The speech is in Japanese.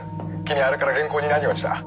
あれから原稿に何をした？」。